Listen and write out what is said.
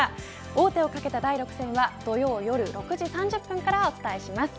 王手をかけた第６戦は土曜夜６時３０分からお伝えします。